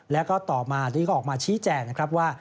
แล้วก็ต่อมานี่ก็ออกมาชี้แจงนะครับว่า